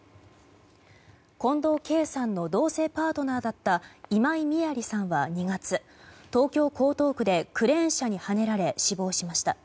近藤佳さんの同性パートナーだった今井美亜里さんは２月東京・江東区でクレーン車にはねられ死亡しました。